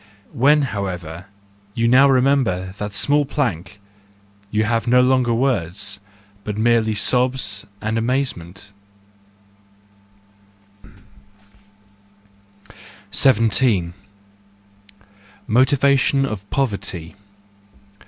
When, however, you now remember that small plank, you have no longer words,—but merely sobs and amazement 17 Motivation of Poverty